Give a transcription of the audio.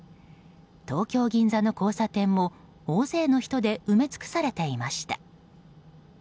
東京・銀座の交差点も大勢の人で埋め尽くされていました。